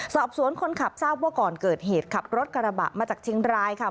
สอบสวนคนขับทราบว่าก่อนเกิดเหตุขับรถกระบะมาจากเชียงรายค่ะ